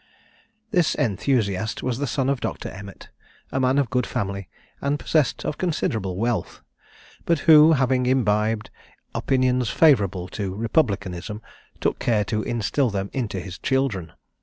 This enthusiast was the son of Dr. Emmet, a man of good family, and possessed of considerable wealth; but who, having imbibed opinions favourable to republicanism, took care to instil them into his children.